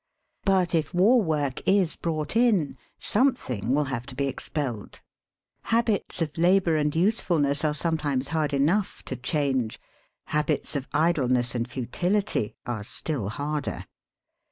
But if war work is brought in, something will have to be expelled. Habits of labour and usefulness are sometimes hard enough to change; habits of idleness and futility are still harder.